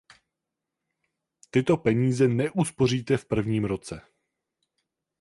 Tyto peníze neuspoříte v prvním roce.